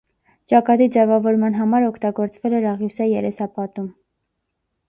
Ճակատի ձևավորման համար օգտագործվել էր աղյուսե երեսապատում։